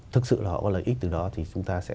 thực sự là họ có lợi ích từ đó thì chúng ta sẽ